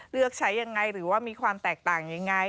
เลือกใช้ยังไงหรือว่ามีความแตกต่างยังไง